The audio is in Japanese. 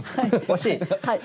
惜しい！